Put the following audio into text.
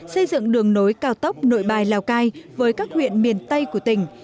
xây dựng đường nối cao tốc nội bài lào cai với các huyện miền tây của tỉnh